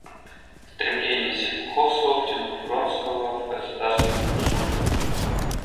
Стремление Серпуховского втянуть Вронского в государственную службу.